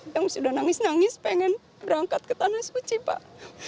yang sudah nangis nangis pengen berangkat ke tanah suci pak